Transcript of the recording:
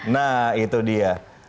nah itu dia